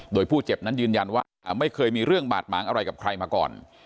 โดยผู้เจ็บนั้นยืนยันว่าไม่เคยมีเรื่องบาดหมางอะไรกับใครมาก่อน